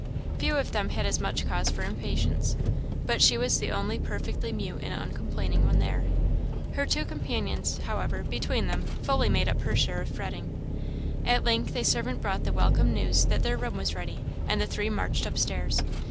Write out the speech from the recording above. Few of them had as much cause for impatience; but she was the only perfectly mute and uncomplaining one there. Her two companions, however, between them, fully made up her share of fretting. At length a servant brought the welcome news that their room was ready, and the three marched up stairs.